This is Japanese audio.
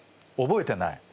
覚えてない？